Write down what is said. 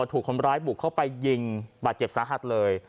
ถูกคนร้ายบุกเข้าไปยิงบาดเจ็บสาหัสเลย